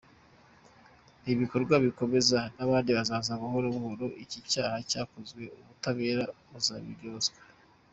Ni ibikorwa bikomeza n’abandi bazaza buhoro buhoro, iki cyaha bakoze ubutabera buzabibaryoza.